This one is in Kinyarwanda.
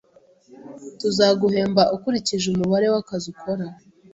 Tuzaguhemba ukurikije umubare wakazi ukora.